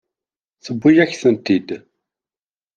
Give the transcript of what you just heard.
Tewwi-yak-tent-id.